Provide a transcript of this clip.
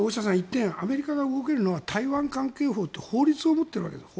１点アメリカが動けるのは台湾関係法という法律を持っている。